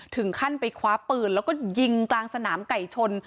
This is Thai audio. ถึงขั้นไปคว้าปืนแล้วก็ยิงกลางสนามไก่ชน